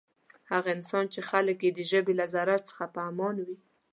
هغه انسان چی خلک یی د ژبی له ضرر څخه په امان وی.